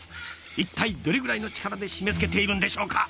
いったいどれぐらいの力で絞め付けているんでしょうか。